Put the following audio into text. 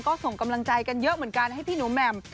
ก็ส่งกำลังใจกันเยอะเหมือนกันให้พี่หนูแหม่ม